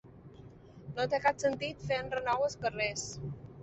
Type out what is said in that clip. No té cap sentit fer enrenou als carrers.